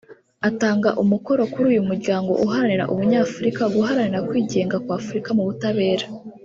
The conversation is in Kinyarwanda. atanga umukoro kuri uyu muryango uharanira Ubunyafurika guharanira kwigenga kw’Afurika mu butabera